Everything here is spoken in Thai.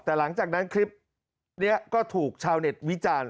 แต่หลังจากนั้นคลิปนี้ก็ถูกชาวเน็ตวิจารณ์